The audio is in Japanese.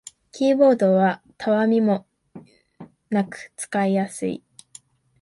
キーボードはたわみもなく使いやすい